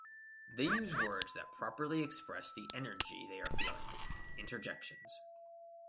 They use words that properly express the energy they are feeling ("Interjections").